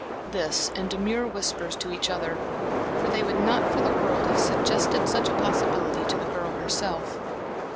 This in demure whispers to each other, for they would not for the world have suggested such a possibility to the girl herself.